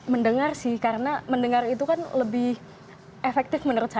mendengar sih karena mendengar itu kan lebih efektif menurut saya